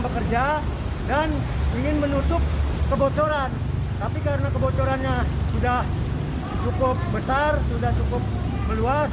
bekerja dan ingin menutup kebocoran tapi karena kebocorannya sudah cukup besar sudah cukup meluas